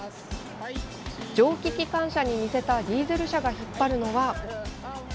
蒸気機関車に似せたディーゼル車が引っ張るのは。